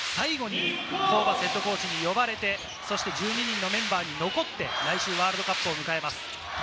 ホーバスＨＣに最後に呼ばれて、１２人のメンバーに残って来週はワールドカップを迎えます。